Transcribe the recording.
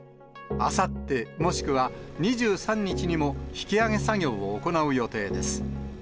あさって、もしくは２３日にも引き揚げ作業を行う予定です。